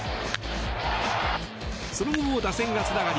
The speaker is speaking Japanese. その後も打線がつながり